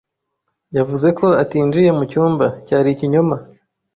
Yavuze ko atinjiye mu cyumba, cyari ikinyoma.